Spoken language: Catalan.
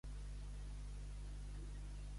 Què li agradaria evitar a la Generalitat?